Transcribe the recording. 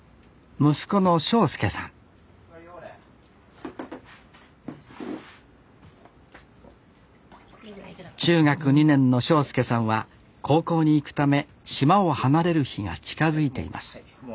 息子の翔介さん中学２年生の翔介さんは高校に行くため島を離れる日が近づいています